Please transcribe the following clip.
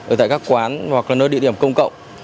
ở tại các quán hoặc là nơi địa điểm công cộng